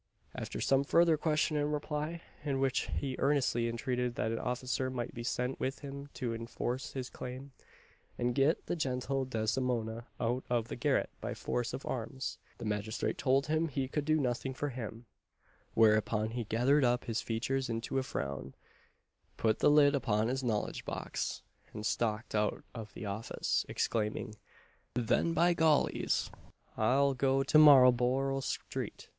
After some further question and reply, in which he earnestly entreated that an officer might be sent with him to enforce his claim, and get the gentle Desdemona out of the garret by force of arms, the magistrate told him he could do nothing for him; whereupon he gathered up his features into a frown, put the lid upon his knowledge box, and stalked out of the office, exclaiming, "Then by goles, I'll go to Marlborough street!